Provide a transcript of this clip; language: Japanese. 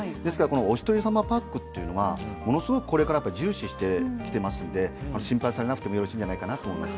お一人様パックというのはものすごくこれから重視してきていますので心配されなくてもよろしいんじゃないかなと思います。